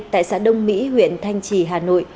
tại xã đông mỹ huyện thanh trì hà nội